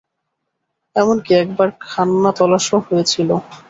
এমনকি, একবার খানাতল্লাশও হয়েছিল।